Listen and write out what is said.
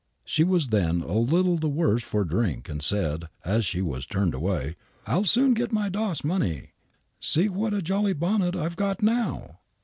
She was then a little the worse for drink and said, as she was turned away: " I'll soon get my ' doss ' money. See what a jolly bonnet I've got now